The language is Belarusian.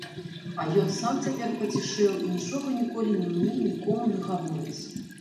А ён сам цяпер пацішэў і нічога ніколі ні мне, ні кому не гаворыць.